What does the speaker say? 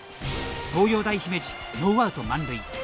東洋大姫路ノーアウト満塁。